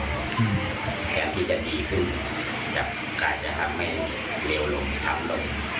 อย่างแท้ที่จะดีขึ้นกลายจะทำให้เลวลงทำลง